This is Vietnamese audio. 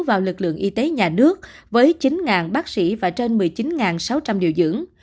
vào lực lượng y tế nhà nước với chín bác sĩ và trên một mươi chín sáu trăm linh điều dưỡng